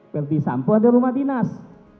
berdisampu ada rumah dinas